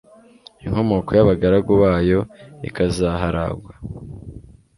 inkomoko y'abagaragu bayo ikazaharagwa